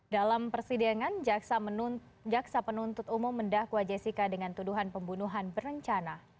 dalam persidangan jaksa penuntut umum mendakwa jessica dengan tuduhan pembunuhan berencana